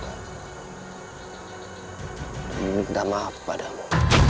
dan saya sudah maaf padamu